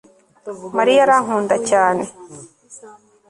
Mariya arankunda cyane